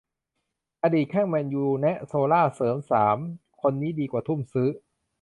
อดีตแข้ง แมนยู แนะ โซลชาร์ เสริม สาม คนนี้ดีกว่าทุ่มซื้อ